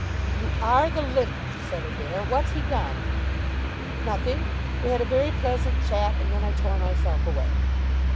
"You are the limit," said Adair. "What's he done?" "Nothing. We had a very pleasant chat, and then I tore myself away."